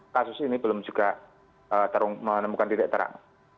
kasus ini belum juga menemukan titik terang